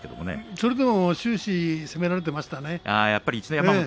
それでも終始攻めていましたね。